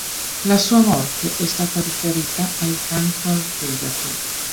La sua morte è stata riferita al cancro al fegato.